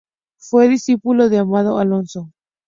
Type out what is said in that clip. Fue discípulo de Amado Alonso.